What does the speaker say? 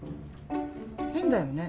変だよね。